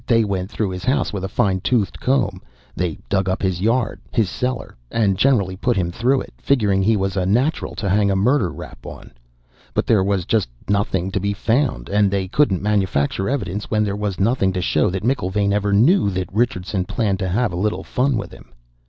They went through his house with a fine toothed comb. They dug up his yard, his cellar, and generally put him through it, figuring he was a natural to hang a murder rap on. But there was just nothing to be found, and they couldn't manufacture evidence when there was nothing to show that McIlvaine ever knew that Richardson planned to have a little fun with him.